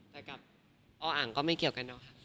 แต่กับออ่างก็ไม่เกี่ยวกันเนอะ